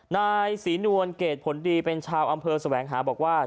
นายศรีนวลเกรดผลดีเป็นชาวอำเภอแสวงหาบอกว่า